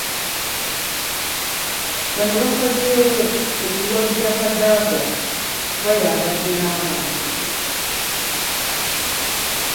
Bano baasazeewo okuwagira Kadaga kuba y'abadde n'abantu